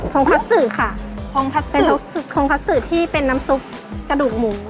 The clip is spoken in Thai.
ฮงคัตซึค่ะฮงคัตซึที่เป็นน้ำซุปกระดูกหมู